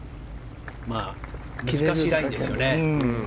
難しいラインですよね。